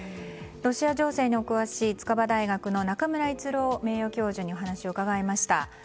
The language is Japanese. ロシア情勢にお詳しい筑波大学の中村逸郎名誉教授にお話を伺いました。